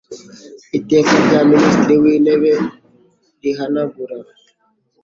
Iteka rya Minisitiri w Intebe rihanagura